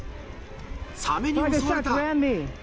サメに襲われた！